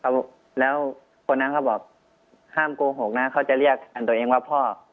แล้วคนนั้นเขาบอกห้ามโกหกนะเขาจะเรียกตัวเองว่าพ่อ